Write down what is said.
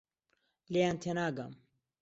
لێیان تێناگەم.